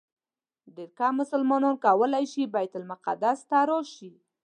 ډېر کم مسلمانان کولی شي بیت المقدس ته راشي.